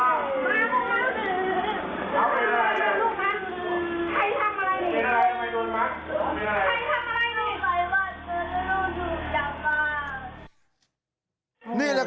ว้าวมาเร่งเล่นลูกมาก